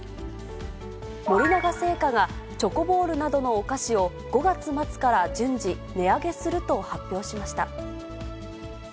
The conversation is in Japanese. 森永製菓が、チョコボールなどのお菓子を、５月末から順次、値上げすると発表しました。